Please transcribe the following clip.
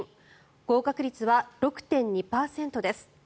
合格率は６．２％です。